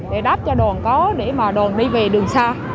để đáp cho đồn có để mà đồn đi về đường xa